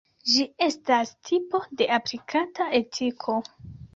Ĝi estas tipo de aplikata etiko.